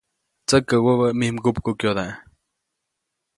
Tsäkä wäbä mij mgupkukyoda.